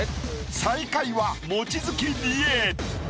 最下位は望月理恵。